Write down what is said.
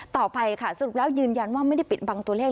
ต่อไปค่ะสรุปแล้วยืนยันว่าไม่ได้ปิดบังตัวเลข